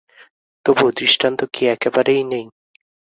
তবু, দৃষ্টান্ত কি একেবারেই নেই?